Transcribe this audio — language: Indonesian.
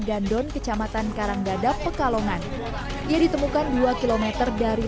sungai di desa pegandon kecamatan karanggada pekalongan ia ditemukan dua kilometer dari